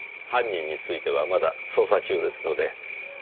犯人についてはまだ捜査中ですので。